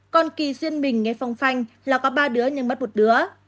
còn kỳ duyên mình nghe phong phanh là có ba đứa nhưng mất một đứa